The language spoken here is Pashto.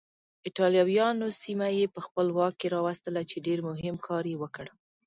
ایټالویانو سیمه یې په خپل واک کې راوستله چې ډېر مهم کار یې وکړ.